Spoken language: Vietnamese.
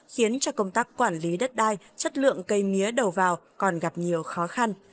khiến cho công tác quản lý đất đai chất lượng cây mía đầu vào còn gặp nhiều khó khăn